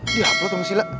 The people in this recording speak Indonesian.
dihaplo atau musila